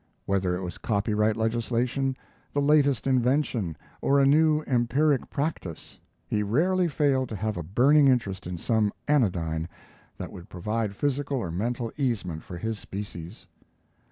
Whether it was copyright legislation, the latest invention, or a new empiric practice, he rarely failed to have a burning interest in some anodyne that would provide physical or mental easement for his species.